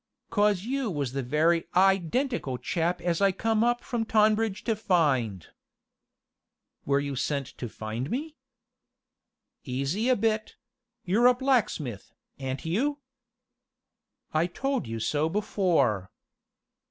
"'Cos you was the very i dentical chap as I come up from Tonbridge to find." "Were you sent to find me?" "Easy a bit you're a blacksmith, a'n't you?" "I told you so before."